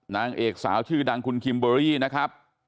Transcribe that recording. นางเอกสาวชื่อดังคุณคิมเบอรี่นะครับ